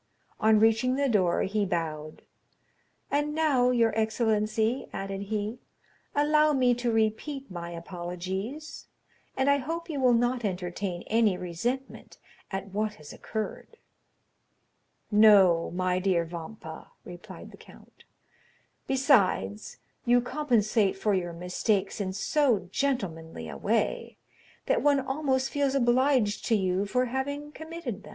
On reaching the door, he bowed. "And now, your excellency," added he, "allow me to repeat my apologies, and I hope you will not entertain any resentment at what has occurred." "No, my dear Vampa," replied the count; "besides, you compensate for your mistakes in so gentlemanly a way, that one almost feels obliged to you for having committed them."